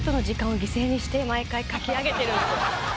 して毎回描き上げてるんですよ。